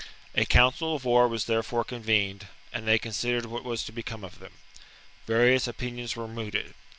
A council of war was there fore convened ; and they considered what was to become of them. Various opinions were mooted.